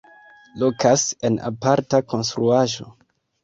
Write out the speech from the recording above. Lokas en aparta konstruaĵo.